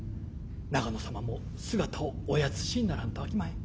長野様も姿をおやつしにならんとあきまへん。